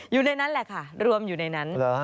อยู่ในนั้นแหละค่ะรวมอยู่ในนั้น